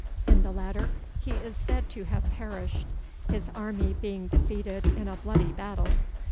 In the latter he is said to have perished, his army being defeated in a bloody battle.